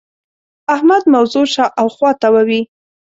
احمد موضوع شااوخوا تاووې.